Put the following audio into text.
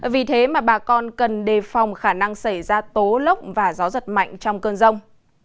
vì thế mà bà con cần đề phòng khả năng xảy ra tố lốc và gió giật mạnh trong cơn rông